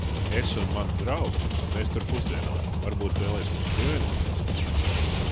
Es un mani draugi, mēs tur pusdienojam, varbūt vēlies mums pievienoties?